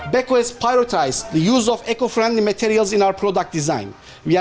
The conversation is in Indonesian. beko memiliki pilihan ekonomi yang berkaitan dengan material yang berkaitan dengan produk kita